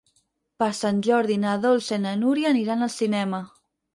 Per Sant Jordi na Dolça i na Núria aniran al cinema.